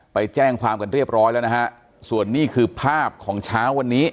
ไปแจ้งความกันเรียบร้อยแล้วนะฮะส่วนนี้คือภาพของเช้าวันนี้